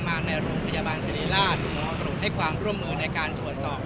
มาที่รุงพยาบาลสิริลาศ